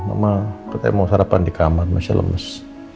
mama katanya mau sarapan di kamar masih lemes